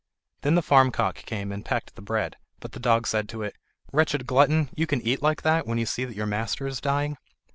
Then the farm cock came and pecked at the bread; but the dog said to it: "Wretched glutton, you can eat like that when you see that your master is dying?"